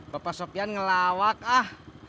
bapak sopyan ngelawak ah